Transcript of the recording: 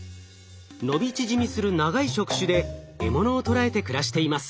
伸び縮みする長い触手で獲物を捕らえて暮らしています。